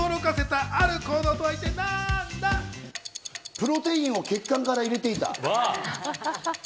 プロテインを血管から入れていた。